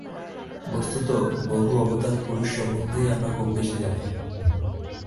বস্তুত বহু অবতারপুরুষ সম্বন্ধেই আমরা খুব বেশী কিছু জানি না।